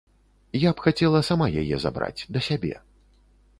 Я б хацела сама яе забраць, да сябе.